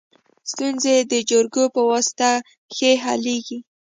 ستونزي د جرګو په واسطه ښه حلیږي.